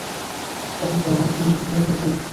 তাতে কি আমার কোন উপকার হতো।